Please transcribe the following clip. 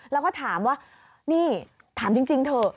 แล้วก็ถามว่านี่ถามจริงเถอะ